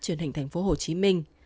truyền hình thành phố hồ chí minh